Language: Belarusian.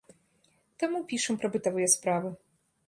Таму пішам пра бытавыя справы.